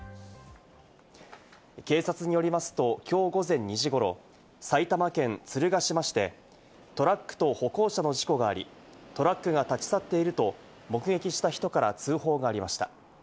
警察によりますと、きょう午前２時ごろ、埼玉県鶴ヶ島市でトラックと歩行者の事故があり、トラックが立ち去っていると目撃した人から通報がありました。